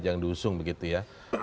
yang diusung begitu ya